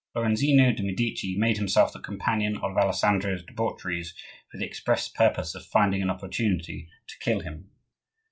Lorenzino de' Medici made himself the companion of Alessandro's debaucheries for the express purpose of finding an opportunity to kill him.